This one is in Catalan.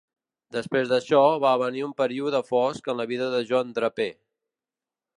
Després d'això, va venir un període fosc en la vida de John Draper.